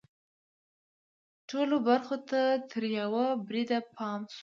ټولو برخو ته تر یوه بریده پام شوی.